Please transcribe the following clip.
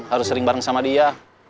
harus sering bareng sama dia